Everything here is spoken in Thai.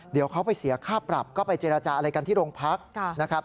เดี๋ยวเขาไปเสียค่าปรับก็ไปเจรจาอะไรกันที่โรงพักนะครับ